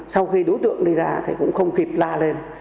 sau khi đối tượng đi ra thì cũng không kịp la lên